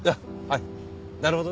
はい。